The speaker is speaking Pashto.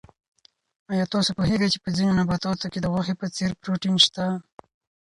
آیا تاسو پوهېږئ چې په ځینو نباتاتو کې د غوښې په څېر پروټین شته؟